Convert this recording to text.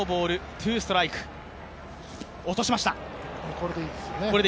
これでいいですよね。